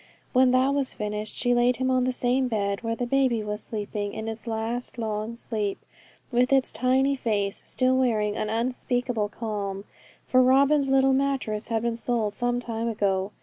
When that was finished she laid him on the same bed where the baby was sleeping its last long sleep, with its tiny face still wearing an unspeakable calm; for Robin's little mattress had been sold some time ago.